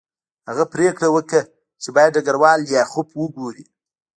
هغه پریکړه وکړه چې باید ډګروال لیاخوف وګوري